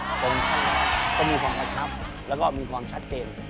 ตนท่าหน้าต้องมีความเข้าชับแล้วก็มีความชัดเจน